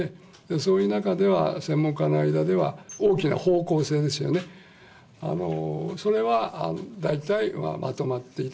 そういう中では専門家の間では、大きな方向性ですよね、それは大体はまとまっていた。